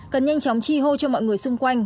cần nhanh chóng chi hô cho mọi người xung quanh